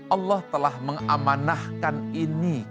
allah telah mengamanahkan ini kepada kita